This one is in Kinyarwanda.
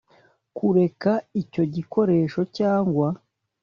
Kureka icyo gikoresho cyangwa